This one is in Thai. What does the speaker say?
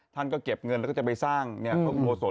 ท่านก็เก็บเงินแล้วก็จะไปสร้างโปรสน